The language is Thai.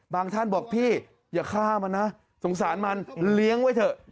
ท่านบอกพี่อย่าฆ่ามันนะสงสารมันเลี้ยงไว้เถอะ